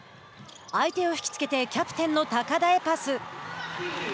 相手を引きつけてキャプテンの高田へパス。